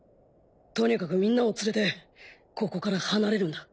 とにかくみんなを連れてここから離れるんだ。